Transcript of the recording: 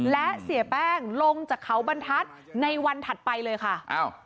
และเสียแป้งลงจากเขาบรรทัศน์ในวันถัดไปเลยค่ะอ้าว